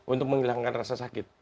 untuk menghilangkan rasa sakit